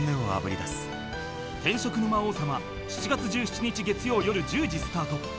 ［『転職の魔王様』７月１７日月曜夜１０時スタート］